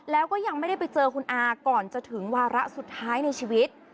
แล้วก็ยังไม่ได้ไปเจอคุณอาก่อนจะถึงวาระสุดท้ายในชีวิต